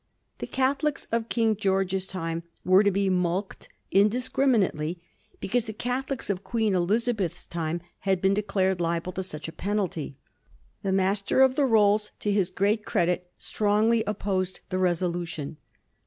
The Catholics of King George's time were to be mulcted indiscriminately because the Catholics of Queen Elizabeth's time had been declared liable to such a penalty. The Master of the RoUs, to his great credit, strongly opposed the resolution.